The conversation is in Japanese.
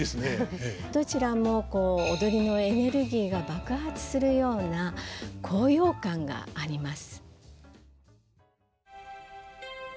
どちらも踊りのエネルギーが爆発するような高揚感があります。